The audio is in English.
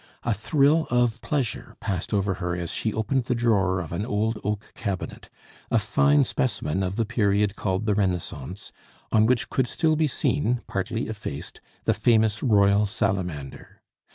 A thrill of pleasure passed over her as she opened the drawer of an old oak cabinet, a fine specimen of the period called the Renaissance, on which could still be seen, partly effaced, the famous royal salamander.